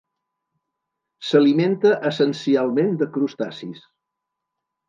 S'alimenta essencialment de crustacis.